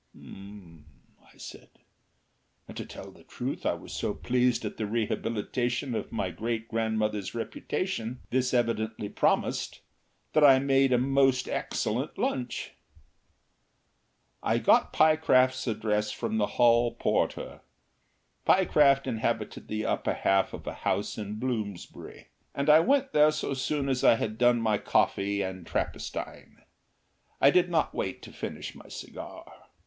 "H'm," said I, and to tell the truth I was so pleased at the rehabilitation of my great grandmother's reputation this evidently promised that I made a most excellent lunch. I got Pyecraft's address from the hall porter. Pyecraft inhabited the upper half of a house in Bloomsbury, and I went there so soon as I had done my coffee and Trappistine. I did not wait to finish my cigar.